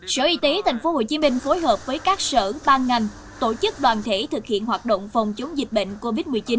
sở y tế tp hcm phối hợp với các sở ban ngành tổ chức đoàn thể thực hiện hoạt động phòng chống dịch bệnh covid một mươi chín